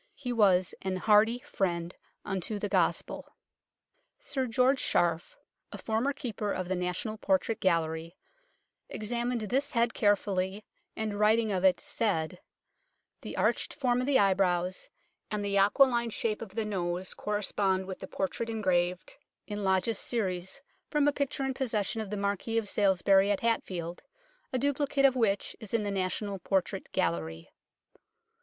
He was an hearty friend unto the Gospel." Sir George Scharf, a former Keeper of the HEAD OF THE DUKE OF SUFFOLK 13 National Portrait Gallery, examined this head carefully, and writing of it said :" The arched form of the eyebrows, and the aquiline shape of the nose correspond with the portrait engraved in Lodge's series from a picture in possession of the Marquis of Salisbury at Hatfield, a duplicate of which is in the National Portrait Gallery."